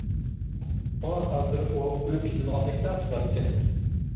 ماڭا ھازىر ئۇ ئۆلۈپ كېتىدىغاندەكلا تۇراتتى.